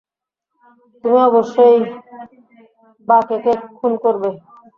তুমি অবশ্যই বাঁকেকে খুন করবে।